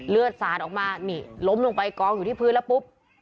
สาดออกมานี่ล้มลงไปกองอยู่ที่พื้นแล้วปุ๊บ